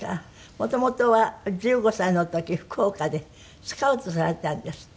元々は１５歳の時福岡でスカウトされたんですって？